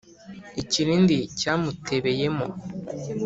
ikirindi cyamutebeye mo